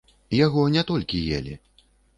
Яго не толькі елі.